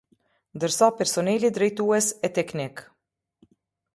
Ndërsa personeli drejtues e teknik.